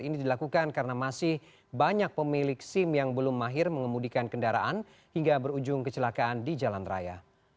ini dilakukan karena masih banyak pemilik sim yang belum mahir mengemudikan kendaraan hingga berujung kecelakaan di jalan raya